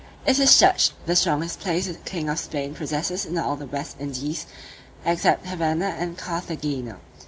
It is judged the strongest place the king of Spain possesses in all the West Indies, except Havanna and Carthagena.